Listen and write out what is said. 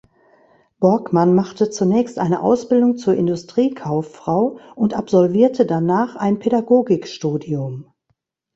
Borgmann machte zunächst eine Ausbildung zur Industriekauffrau und absolvierte danach ein Pädagogikstudium.